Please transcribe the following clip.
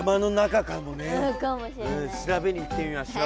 調べに行ってみましょう！